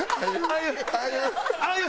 あゆ！